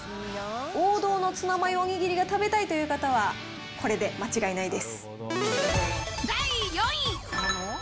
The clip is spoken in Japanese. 王道のツナマヨお握りが食べたいという方は、これで間違いな第４位。